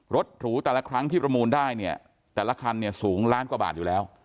หรูแต่ละครั้งที่ประมูลได้เนี่ยแต่ละคันเนี่ยสูงล้านกว่าบาทอยู่แล้ว